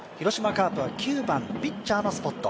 カープは９番・ピッチャーのスポット。